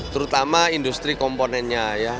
terutama industri komponennya